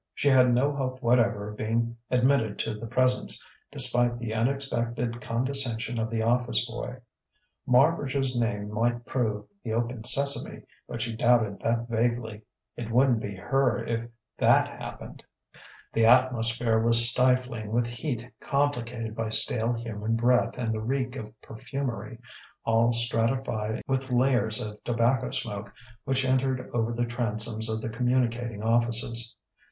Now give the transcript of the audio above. She had no hope whatever of being admitted to the Presence, despite the unexpected condescension of the office boy. Marbridge's name might prove the Open Sesame; but she doubted that vaguely: "it wouldn't be her if that happened!" The atmosphere was stifling with heat complicated by stale human breath and the reek of perfumery, all stratified with layers of tobacco smoke which entered over the transoms of the communicating offices.